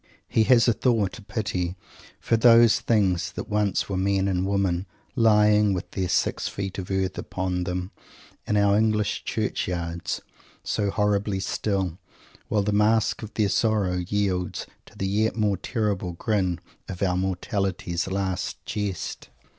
He has a thought, a pity, for those things that once were men and women, lying, with their six feet of earth upon them, in our English Churchyards, so horribly still, while the mask of their sorrow yields to the yet more terrible grin of our mortality's last jest.